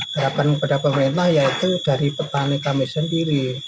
harapan kepada pemerintah yaitu dari petani kami sendiri